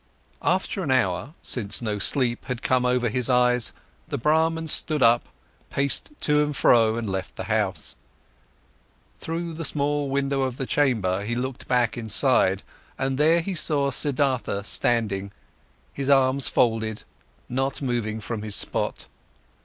After an hour, since no sleep had come over his eyes, the Brahman stood up, paced to and fro, and left the house. Through the small window of the chamber he looked back inside, and there he saw Siddhartha standing, his arms folded, not moving from his spot.